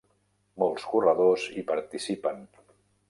Molts corredors hi participen.